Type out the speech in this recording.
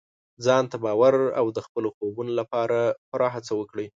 ځان ته باور او د خپلو خوبونو لپاره پوره هڅه وکړئ.